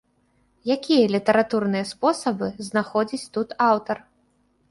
Якія літаратурныя спосабы знаходзіць тут аўтар?